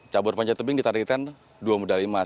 cabur panjat tebing di tarikten dua medali emas